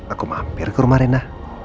aku mampir ke rumah rena